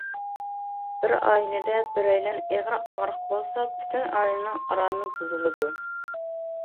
بىر ئائىلىدە بىرەيلەن ئېغىر ئاغرىق بولسا، پۈتۈن ئائىلىنىڭ ئارامى بۇزۇلىدۇ.